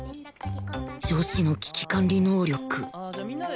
女子の危機管理能力